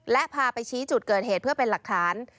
และพาไปชี้จุดเกิดเหตุเพื่อเป็นหลักฐาน